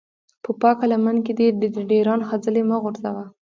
په پاکه لمن کې دې د ډېران خځلې مه غورځوه.